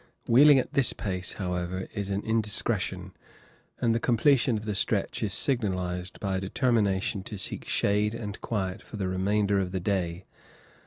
Wheeling at this pace, however, is an indiscretion, and the completion of the stretch is signalized by a determination to seek shade and quiet for the remainder of the day.